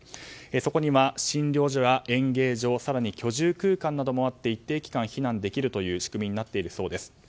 そこには診療所や園芸場更に居住空間などもあって一定期間避難できる仕組みになっているそうです。